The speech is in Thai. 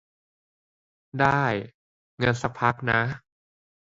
ได้ งั้นซักพักนะ